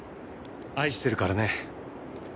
愛してるからね。